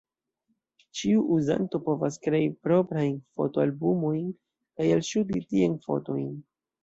Ĉiu uzanto povas krei proprajn fotoalbumojn kaj alŝuti tien fotojn.